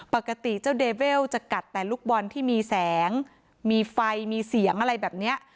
ปกติเจ้าเดเวลจะกัดแต่ลูกบอลที่มีแสงมีไฟมีเสียงอะไรแบบนี้